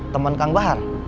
teman kang bahar